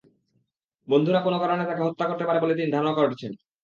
বন্ধুরা কোনো কারণে তাকে হত্যা করতে পারে বলে তিনি ধারণা করছেন।